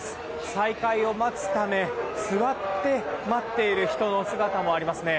再開を待つため、座って待っている人の姿もありますね。